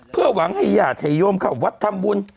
เพื่อหวังให้ญาติให้โยมเข้าวัดทำบุญ